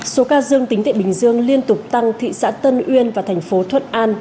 số ca dương tính tại bình dương liên tục tăng thị xã tân uyên và thành phố thuận an